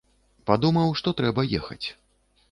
Падумаў, што трэба ехаць.